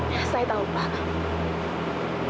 ya saya tahu pak